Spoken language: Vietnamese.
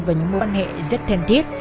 với những mối quan hệ rất thân thiết